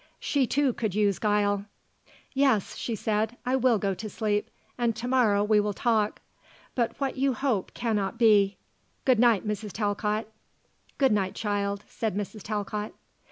She, too, could use guile. "Yes," she said. "I will go to sleep. And to morrow we will talk. But what you hope cannot be. Good night, Mrs. Talcott." "Good night, child," said Mrs. Talcott.